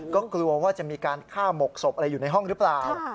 ก็กลัวว่าจะมีการฆ่าหมกศพอะไรอยู่ในห้องหรือเปล่า